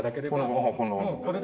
ああこの。